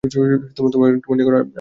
আমি তোমার নিকট আসতে চাই।